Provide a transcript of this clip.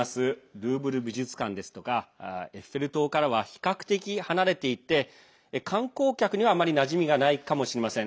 ルーブル美術館ですとかエッフェル塔からは比較的、離れていて観光客には、あまりなじみがないかもしれません。